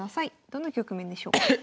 どの局面でしょう？